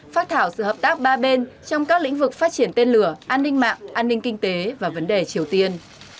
phát thảo sự hợp tác ba bên trong các lĩnh vực phát triển tên lửa an ninh mạng an ninh kinh tế và vấn đề triều tiên